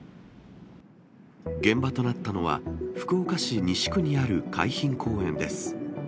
現場となったのは、福岡市西区にある海浜公園です。